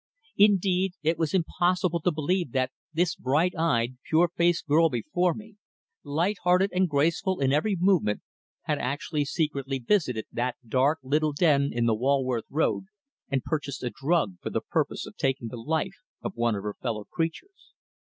Indeed, it was impossible to believe that this bright eyed, pure faced girl before me, light hearted, and graceful in every movement, had actually secretly visited that dark little den in the Walworth Road and purchased a drug for the purpose of taking the life of one of her fellow creatures.